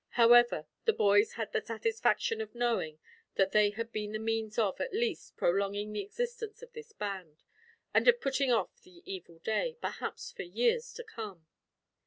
However, the boys had the satisfaction of knowing that they had been the means of, at least, prolonging the existence of this band, and of putting off the evil day, perhaps for years to come.